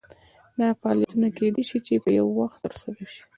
دا فعالیتونه کیدای شي په یو وخت ترسره شي.